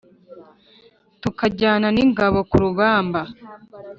tukajyana n’ingabo ku rugamba